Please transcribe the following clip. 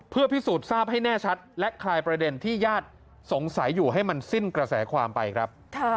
เพื่อพิสูจน์ทราบให้แน่ชัดและคลายประเด็นที่ญาติสงสัยอยู่ให้มันสิ้นกระแสความไปครับ